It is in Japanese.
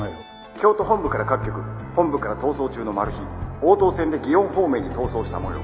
「京都本部から各局本部から逃走中のマル被鴨東線で園方面に逃走した模様」